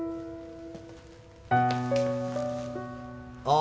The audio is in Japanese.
あ！